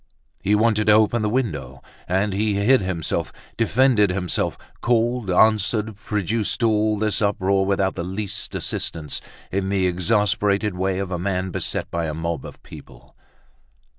He wanted to open the window, and he hid himself, defended himself, called, answered, produced all this uproar without the least assistance, in the exasperated way of a man beset by a mob of people.